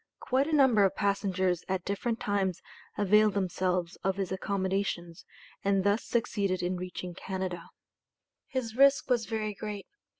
Quite a number of passengers at different times availed themselves of his accommodations and thus succeeded in reaching Canada. His risk was very great.